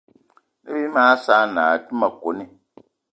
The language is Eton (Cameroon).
Ne bí mag saanì aa té ma kone.